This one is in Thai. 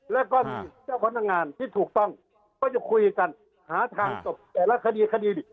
แล้วก็มีเจ้าพนักงานที่ถูกต้องก็จะคุยกันหาทางจบแต่ละคดีคดี